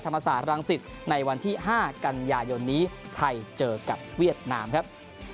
ธรรมศาสตร์ธรรมศิษย์ในวันที่๕กันยายนนี้ไทยเจอกับเวียดนามครับ